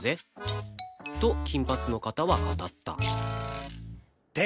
と金髪の方は語ったって